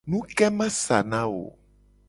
Nuke ma sa na wo ?